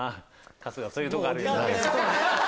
春日そういうとこある。